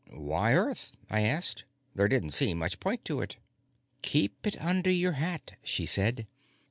"Why Earth?" I asked. There didn't seem much point to it. "Keep it under your hat," she said.